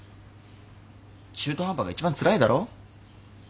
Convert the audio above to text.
中途半端が一番つらいだろ？